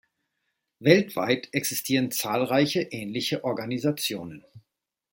Weltweit existieren zahlreiche ähnliche Organisationen.